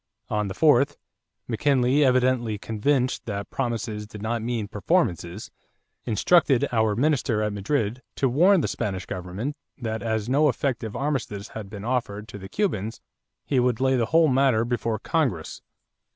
On the 4th, McKinley, evidently convinced that promises did not mean performances, instructed our minister at Madrid to warn the Spanish government that as no effective armistice had been offered to the Cubans, he would lay the whole matter before Congress.